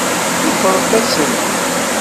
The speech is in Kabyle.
Teffreḍ-asent-ten.